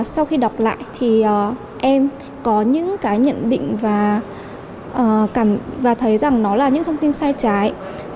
sau khi đọc lại thì em có những cái nhận định và thấy rằng nó là những thông tin sai trái